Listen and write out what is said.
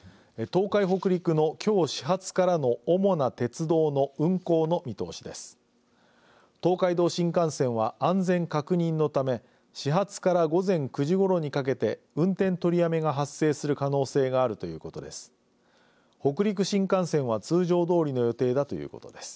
東海道新幹線は安全確認のため始発から午前９時ごろにかけて運転取りやめが発生する可能性があるということです。